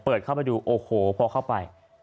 เปิดเข้าไปดูโอ้โหพอเข้าไป